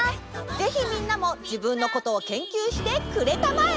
ぜひみんなも自分のことを研究してくれたまえ！